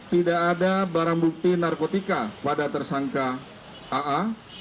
tidak ada barang bukti narkotika pada tersangka aa